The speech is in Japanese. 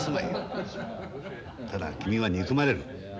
ただ君は憎まれる。